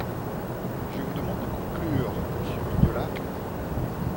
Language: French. Je vous demande de conclure, monsieur Mignola.